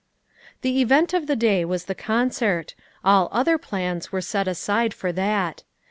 The event of the day was the concert ; all other plans were set aside for that.